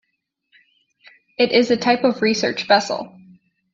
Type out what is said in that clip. It is a type of research vessel.